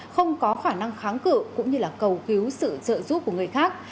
không có khả năng kháng cự cũng như là cầu cứu sự trợ giúp của người khác